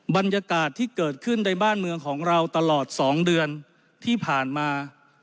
บรรยากาศที่เกิดขึ้นในบ้านเมืองของเราตลอด๒เดือนที่ผ่านมา